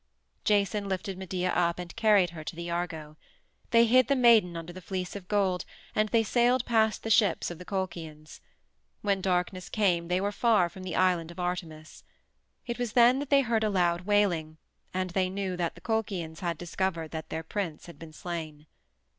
Jason lifted Medea up and carried her to the Argo. They hid the maiden under the Fleece of Gold and they sailed past the ships of the Colchians. When darkness came they were far from the island of Artemis. It was then that they heard a loud wailing, and they knew that the Colchians had discovered that their prince had been slain.